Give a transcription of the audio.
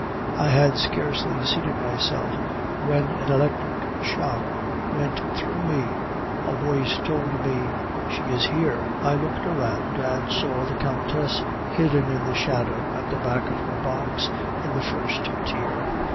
I had scarcely seated myself when an electric shock went through me. A voice told me, 'She is here!' I looked round, and saw the countess hidden in the shadow at the back of her box in the first tier.